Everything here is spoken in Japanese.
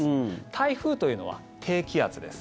台風というのは低気圧です。